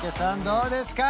どうですか？